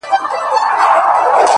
راسه چي زړه ښه درته خالي كـړمـه-